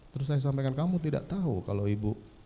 terus saya sampaikan kamu tidak tahu kalau ibu